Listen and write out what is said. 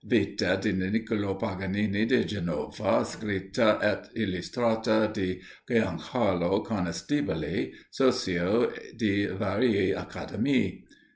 "Vita di Nicolo Paganini di Genova, scritta ed illustrata da Giancarlo Conestabile, socio di varie Academie."